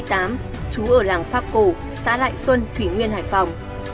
trú ở làng pháp cổ xã lại xuân thủy nguyên hải phòng